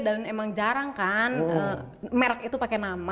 dan emang jarang kan merek itu pake nama